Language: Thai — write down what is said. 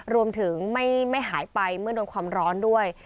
รวมถึงไม่หายไปเมื่อโดนความร้อนด้วย